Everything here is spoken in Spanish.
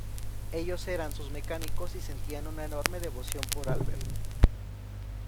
Ellos eran sus mecánicos y sentían una enorme devoción por Albert.